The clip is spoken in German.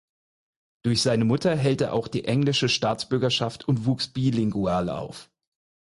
Durch seine Mutter hält er auch die englische Staatsbürgerschaft und wuchs bilingual auf.